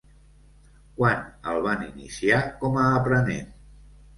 Quan el van iniciar com a aprenent?